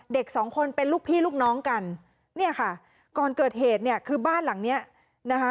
เด็กสองคนเป็นลูกพี่ลูกน้องกันเนี่ยค่ะก่อนเกิดเหตุเนี่ยคือบ้านหลังเนี้ยนะคะ